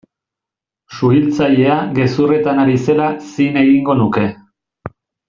Suhiltzailea gezurretan ari zela zin egingo nuke.